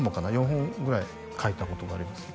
４本ぐらい書いたことがあります